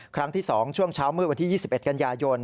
ครั้งที่๒ช่วงเช้ามืดวันที่๒๑กันยายน